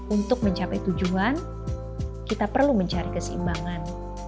untuk mencapai tujuan kita perlu mencari keseimbangan